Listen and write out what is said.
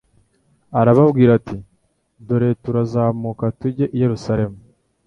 Arababwira ati: «Dore turazamuka tujye i Yerusalemu,